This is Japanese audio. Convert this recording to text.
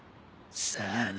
さあな。